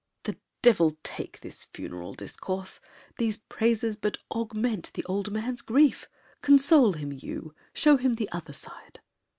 The devil take this funeral discourse! These praises but augment the old man's grief. Console him, you; Show him the other side.